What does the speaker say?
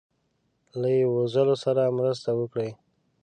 له یی وزلو سره مرسته وکړي